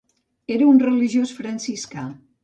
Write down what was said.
Era un religiós franciscà.